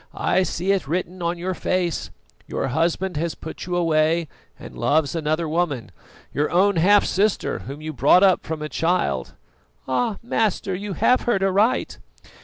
"I see it written on your face; your husband has put you away and loves another woman, your own half sister whom you brought up from a child." "Ah! master, you have heard aright."